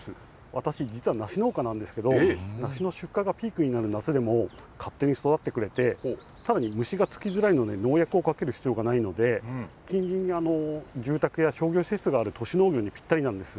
私、実は梨農家なんですけど、梨の出荷がピークになる夏でも勝手に育ってくれて、さらに虫がつきづらいので農薬をかける必要がないので、近隣に住宅や商業施設がある都市農業にぴったりなんです。